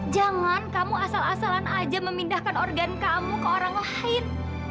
jangan kamu asal asalan aja memindahkan organ kamu ke orang lain